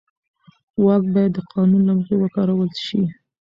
واک باید د قانون له مخې وکارول شي.